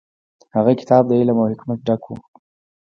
هغه کتاب د علم او حکمت ډک و.